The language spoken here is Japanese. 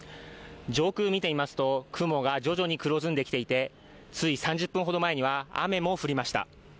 上空を見てみますと、雲が徐々に黒ずんできていてつい３０分ほど前には雨も降りました。